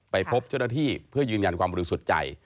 ไปพบเจ้าหน้าที่เพื่อยืนยันความบริสุทธิ์ใจ